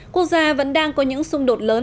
quốc gia vẫn đang có những xung đột lớn